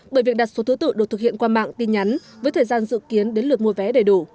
bởi việc đặt số thứ tự được thực hiện qua mạng tin nhắn với thời gian dự kiến đến lượt mua vé đầy đủ